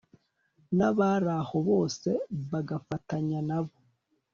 n'abari aho bose bagafatanya na bo